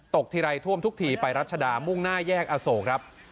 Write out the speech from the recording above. ทีไรท่วมทุกทีไปรัชดามุ่งหน้าแยกอโศกครับ